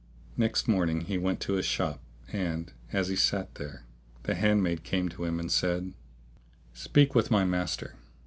Next morning he went to his shop, and, as he sat there, the handmaid came to him and said, "Speak with my master."